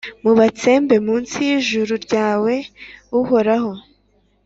ubatsembe mu nsi y’ijuru ryawe, Uhoraho.